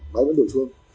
máy vẫn đổ chuông